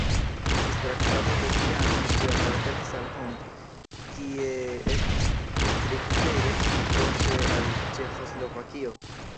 Ĝis Traktato de Trianon ĝi apartenis al Hont, kie estis distriktejo, poste al Ĉeĥoslovakio.